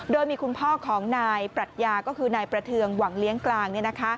โดยมีคุณพ่อของนายปรัชญาก็คือนายประเทืองหวังเลี้ยงกลาง